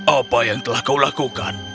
apa yang telah kau lakukan